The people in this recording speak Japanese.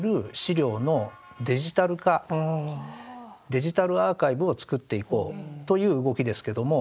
デジタルアーカイブを作っていこうという動きですけども。